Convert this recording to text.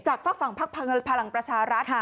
จากฟักฝั่งภักดิ์พลังประชารัฐ